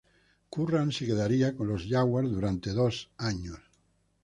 Curran se quedaría con los Jaguars durante dos años.